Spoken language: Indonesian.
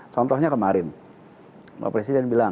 contohnya kemarin pak presiden bilang